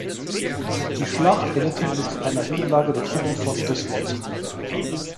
Die Schlacht endete mit einer Niederlage der Truppen von Desmond.